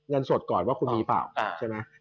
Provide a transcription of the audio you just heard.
เงินสดก่อนว่าคุณมีสิ่งหรือไม่